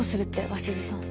鷲津さん。